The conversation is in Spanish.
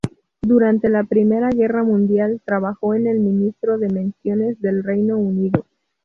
Durante la Primera Guerra Mundial, trabajó en el Ministerio de Municiones del Reino Unido.